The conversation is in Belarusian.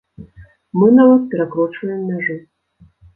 Мы нават перакрочваем мяжу.